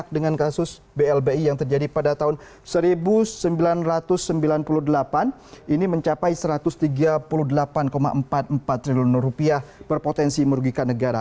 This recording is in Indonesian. dengan kasus blbi yang terjadi pada tahun seribu sembilan ratus sembilan puluh delapan ini mencapai rp satu ratus tiga puluh delapan empat puluh empat triliun berpotensi merugikan negara